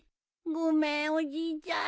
ごめんおじいちゃん。